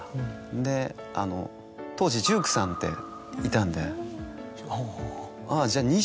で当時１９さんっていたんで「あっじゃあ」。